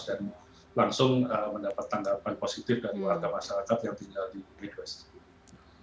dan langsung mendapat tanggapan positif dari warga masyarakat yang tinggal di midwest